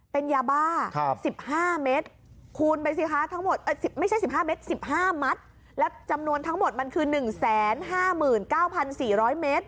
เป็นยาบ้า๑๕เมตรคูณไปสิคะทั้งหมดไม่ใช่๑๕เมตร๑๕มัตต์แล้วจำนวนทั้งหมดมันคือ๑๕๙๔๐๐เมตร